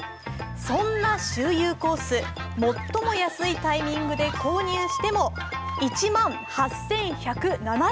そんな周遊コース、最も安いタイミングで購入しても１万８１７０円。